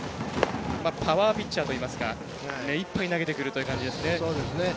パワーピッチャーといいますか目いっぱい投げてくるという感じですね。